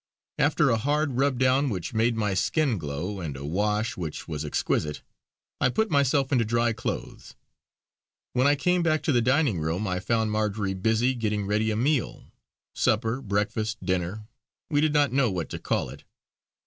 After a hard rub down which made my skin glow, and a wash which was exquisite, I put myself into dry clothes. When I came back to the dining room I found Marjory busy getting ready a meal supper, breakfast, dinner, we did not know what to call it.